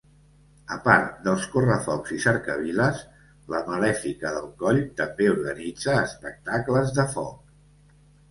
A part dels correfocs i cercaviles, la Malèfica del Coll també organitza espectacles de foc.